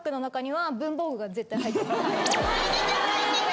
入ってた入ってた！